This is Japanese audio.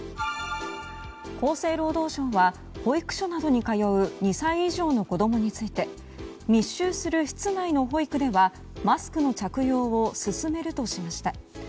厚生労働省は保育所などに通う２歳以上の子供について密集する室内の保育ではマスクの着用を勧めるとしました。